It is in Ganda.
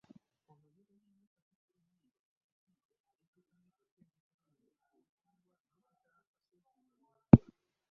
Ono yeebazizza Katikkiro Mayiga n'olukiiko oluddukanya ettendekero lino olukulirirwa Dokita Kasozi Mulindwa